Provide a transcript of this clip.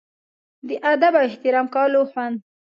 د ادب او احترام کولو خوند.